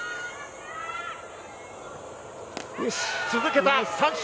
続けた、三振。